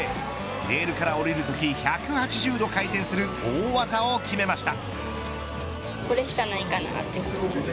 レールから下りるとき１８０度回転する大技を決めました。